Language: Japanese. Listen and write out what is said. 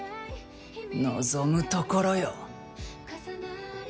望むところよ！